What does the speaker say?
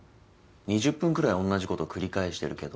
２０分くらいおんなじこと繰り返してるけど。